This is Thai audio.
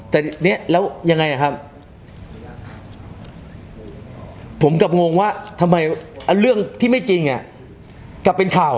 แต่นี้แล้วยังไงอ่ะครับผมกำงว่าทำไมเลือกที่ไม่จริงอ่ะแกเป็นข่าว